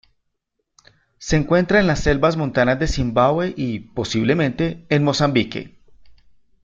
Se encuentra en las selvas montanas de Zimbabue y, posiblemente, en Mozambique.